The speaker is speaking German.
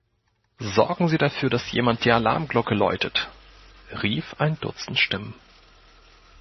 „Sorgen Sie dafür, dass jemand die Alarmglocke läutet!“, rief ein Dutzend Stimmen.